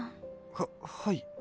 はっはい。